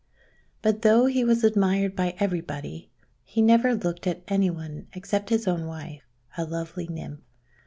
But, though he was admired by everybody, he never looked at any one except his own wife, a lovely Nymph.